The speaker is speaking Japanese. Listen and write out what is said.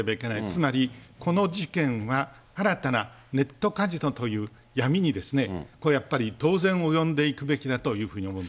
つまり、この事件は、新たなネットカジノという闇にですね、やっぱり当然及んでいくべきだというふうに思う。